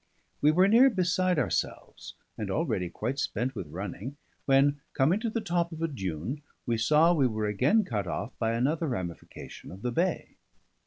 We were near beside ourselves, and already quite spent with running, when, coming to the top of a dune, we saw we were again cut off by another ramification of the bay.